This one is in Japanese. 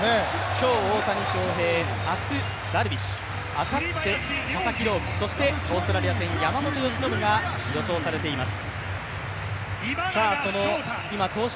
今日は大谷翔平、明日はダルビッシュ、あさって佐々木朗希、そしてオーストラリア戦、山本由伸が予想されています。